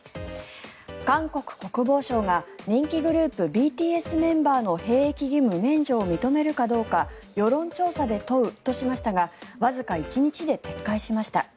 韓国国防省が人気グループＢＴＳメンバーの兵役義務免除を認めるかどうか世論調査で党としましたがわずか１日で撤回しました。